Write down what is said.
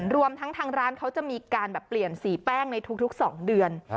รวมทั้งทางร้านเขาจะมีการแบบเปลี่ยนสีแป้งในทุก๒เดือน